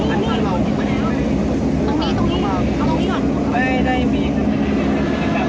กลับไปอีก๓คน